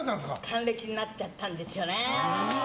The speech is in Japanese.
還暦になっちゃったんですよね。